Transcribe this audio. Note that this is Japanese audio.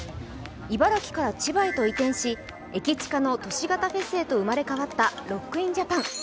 茨城から千葉へと移転し駅チカの都市型フェスへと生まれ変わったロッキンジャパン。